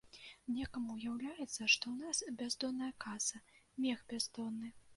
Некаму ўяўляецца, што ў нас бяздонная каса, мех бяздонны.